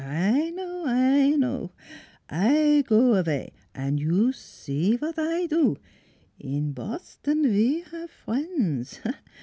I know I know ! I go avay, an' you see vot I do. ... In Boston we haf friends.